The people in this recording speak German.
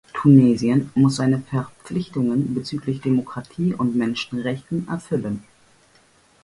Tunesien muss seine Verpflichtungen bezüglich Demokratie und Menschenrechten erfüllen.